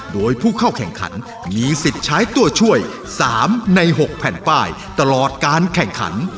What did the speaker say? โดยผู้เข้าแข่งขันมีสิทธิ์ใช้ตัวช่วย๓ใน๖แผ่นป้ายตลอดการแข่งขัน